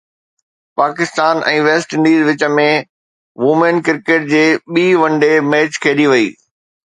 Pakistan ۽ West Indies وچ ۾ women cricket جي ٻي ون ڊي ميچ کيڏي وئي